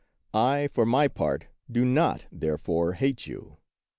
I, for my part, do not, therefore, hate you.